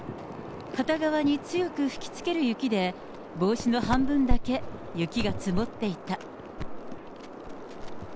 片側に強く吹きつける雪で、帽子の半分だけ雪が積もっていた。